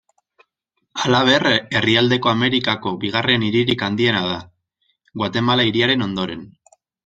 Halaber, Erdialdeko Amerikako bigarren hiririk handiena da, Guatemala Hiriaren ondoren.